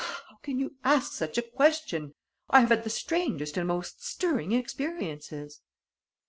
"How can you ask such a question? I have had the strangest and most stirring experiences."